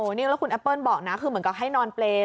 นี่แล้วคุณแอปเปิ้ลบอกนะคือเหมือนกับให้นอนเปรย์